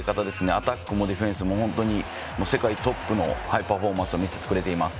アタックもディフェンスも世界トップのパフォーマンスを見せてくれています。